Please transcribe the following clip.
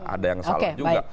ada yang salah juga